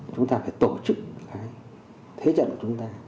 chúng ta phải tổ chức cái thế trận của chúng ta